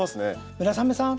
村雨さん